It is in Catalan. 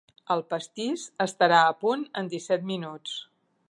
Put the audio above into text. El pastís estarà a punt en disset minuts.